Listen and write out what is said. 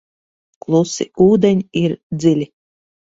Klusi ūdeņi ir dziļi.